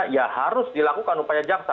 ya harus dilakukan upaya jaksa